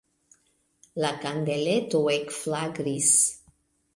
La kandeleto ekflagris.